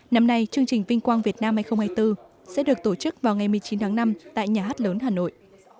năm nay chương trình vinh quang việt nam hai nghìn hai mươi bốn sẽ được tổ chức vào ngày một mươi chín tháng năm tại nhà hát lớn hà nội